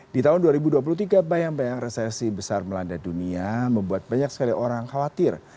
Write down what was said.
di tahun dua ribu dua puluh tiga bayang bayang resesi besar melanda dunia membuat banyak sekali orang khawatir